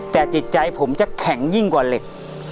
แต่จิตใจผมจะแข็งยิ่งกว่าเหล็ก